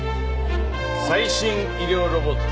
最新医療ロボット